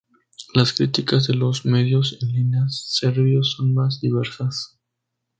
Las críticas de los medios en línea serbios son más diversas.